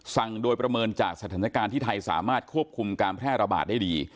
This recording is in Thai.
สั่งโดยประเมินจากสถานการณ์ที่ไทยสามารถควบคุมการแพร่ระบาดได้ดี